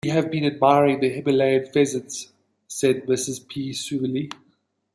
"We have been admiring the Himalayan pheasants," said Mrs P. suavely.